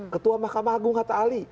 ketua mahkamah agung hatta ali